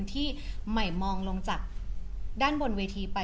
ที่ใหม่มองลงจากเวทีไป